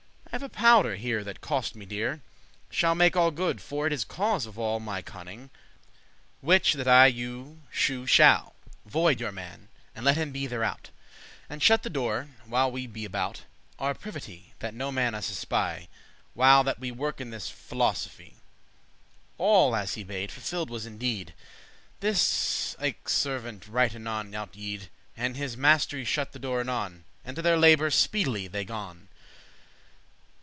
I have a powder here that cost me dear, Shall make all good, for it is cause of all My conning,* which that I you shewe shall. *knowledge Voide* your man, and let him be thereout; *send away And shut the doore, while we be about Our privity, that no man us espy, While that we work in this phiosophy." All, as he bade, fulfilled was in deed. This ilke servant right anon out yede,* *went And his master y shut the door anon, And to their labour speedily they gon.